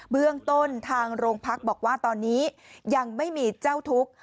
เบื้องต้นทางโรงพักบอกว่าตอนนี้ยังไม่มีเจ้าทุกข์